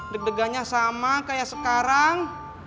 deg degannya sama kayak sekarang